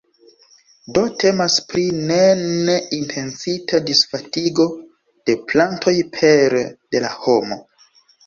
Do temas pri ne ne intencita disvastigo de plantoj pere de la homo.